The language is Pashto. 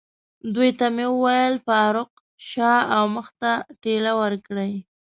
دوی ته مې وویل: فاروق، شا او مخ ته ټېله ورکړئ.